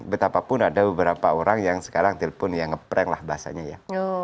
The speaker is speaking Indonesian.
betapapun ada beberapa orang yang sekarang telepon ya ngeprank lah bahasanya ya